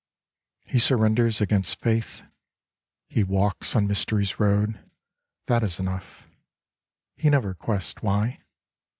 He surrenders against faith : He walks on mystery's road,* — that is enough. He never quests why.